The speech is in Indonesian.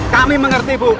kami mengerti bu